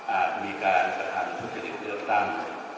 อาจมีการกระทั่งทุกขนิดเลือกตั้ง